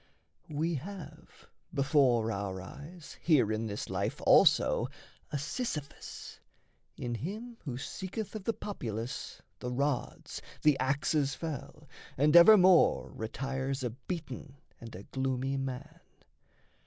We have before our eyes Here in this life also a Sisyphus In him who seeketh of the populace The rods, the axes fell, and evermore Retires a beaten and a gloomy man.